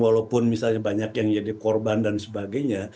walaupun misalnya banyak yang jadi korban dan sebagainya